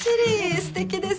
すてきです。